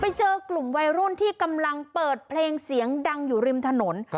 ไปเจอกลุ่มวัยรุ่นที่กำลังเปิดเพลงเสียงดังอยู่ริมถนน